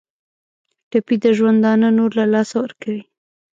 ټپي د ژوندانه نور له لاسه ورکوي.